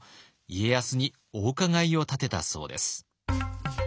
家康にお伺いを立てたそうです。